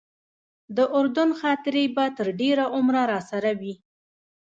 د اردن خاطرې به تر ډېره عمره راسره وي.